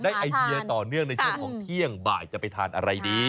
ไอเดียต่อเนื่องในช่วงของเที่ยงบ่ายจะไปทานอะไรดี